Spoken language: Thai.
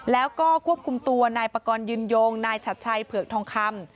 แล้วก็ควบคุมตัวนายปกรณ์ยืนยงนายชัดชัยเผือกทองคำ